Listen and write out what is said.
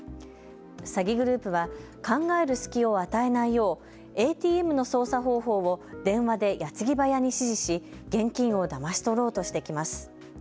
詐欺グループは考える隙を与えないようＡＴＭの操作方法を電話で矢継ぎ早に指示し現金をだまし取ろうとしてきます。